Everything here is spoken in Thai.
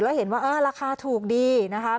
แล้วเห็นว่าราคาถูกดีนะคะ